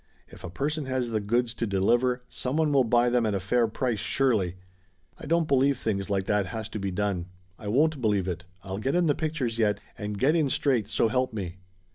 If a person has the goods to deliver, some one will buy them at a fair price, surely! I don't believe things like that has to be done! I won't believe it. I'll get in the pictures yet, and get in straight, so help me!"